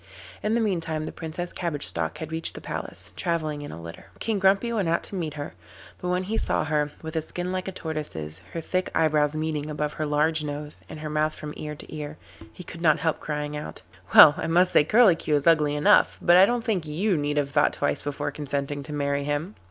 In the meantime the Princess Cabbage Stalk had reached the palace, travelling in a litter. King Grumpy went out to meet her, but when he saw her, with a skin like a tortoise's, her thick eyebrows meeting above her large nose, and her mouth from ear to ear, he could not help crying out: 'Well, I must say Curlicue is ugly enough, but I don't think you need have thought twice before consenting to marry him.